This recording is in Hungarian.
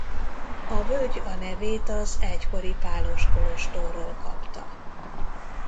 A völgy a nevét az egykori pálos kolostorról kapta.